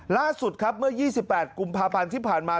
ล่าสุดครับเมื่อ๒๘กุมภาพันธ์ที่ผ่านมา